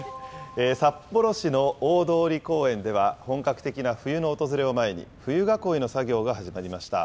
札幌市の大通公園では、本格的な冬の訪れを前に、冬囲いの作業が始まりました。